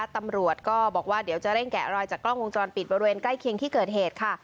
ตำรวจก็บอกว่าเดี๋ยวจะเร่งแกะรอยจากกล้องวงจรปิดบริเวณใกล้เคียงที่เกิดเหตุค่ะ